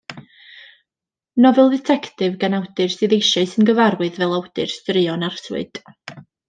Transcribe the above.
Nofel dditectif gan awdur sydd eisoes yn gyfarwydd fel awdur straeon arswyd.